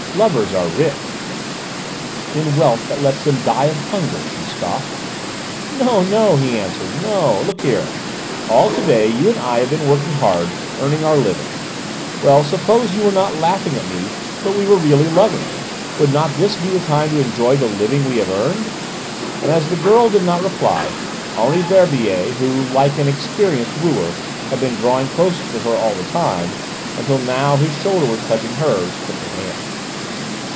Lovers are rich!" "In wealth that lets them die of hunger," she scoffed. "No, no," he answered: "no. Look here: all to day you and I have been working hard, earning our living; well, suppose you were not laughing at me but we were really lovers, would not this be the time to enjoy the living we have earned?" and as the girl did not reply, Henri Verbier, who like an experienced wooer had been drawing closer to her all the time, until now his shoulder was touching hers, took her hand.